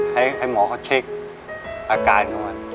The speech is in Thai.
ไปหาหมอให้หมอเค้าเช็คอาการของมัน